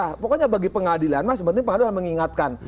nah pokoknya bagi pengadilan mas penting pengadilan mengingatkan